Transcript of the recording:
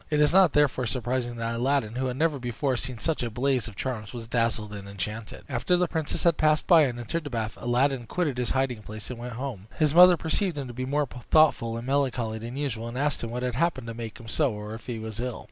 It is not therefore surprising that Aladdin, who had never before seen such a blaze of charms, was dazzled and enchanted. After the princess had passed by, and entered the bath, Aladdin quitted his hiding place and went home. His mother perceived him to be more thoughtful and melancholy than usual, and asked what had happened to make him so, or if he was ill.